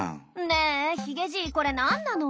ねえヒゲじいこれ何なの？